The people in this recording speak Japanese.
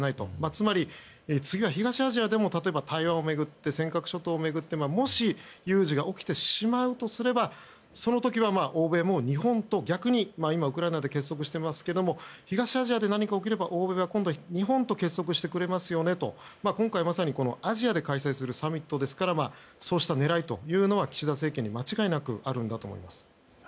つまり、次は東アジアでも例えば台湾や尖閣諸島を巡ってもし有事が起きてしまうとすればその時は、欧米も日本と逆に今、ウクライナで結束していますけども東アジアで何か起きれば、欧米は今度は日本と結束してくれますよねと今回まさにアジアで開催するサミットですからそうした狙いも岸田政権には間違いなくあると思います。